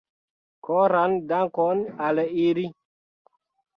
Koran dankon al ili.